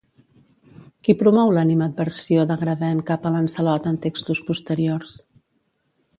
Qui promou l'animadversió d'Agravain cap a Lancelot en textos posteriors?